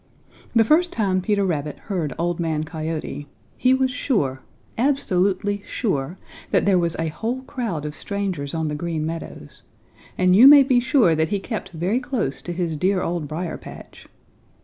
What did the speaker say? The first time Peter Rabbit heard Old Man Coyote, he was sure, absolutely sure, that there was a whole crowd of strangers on the Green Meadows, and you may be sure that he kept very close to his dear Old Briar patch.